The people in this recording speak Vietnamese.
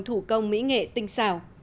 thủ công mỹ nghệ tinh xảo